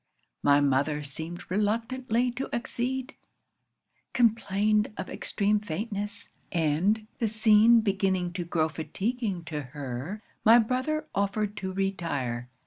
My mother seemed reluctantly to accede; complained of extreme faintness; and the scene beginning to grow fatiguing to her, my brother offered to retire.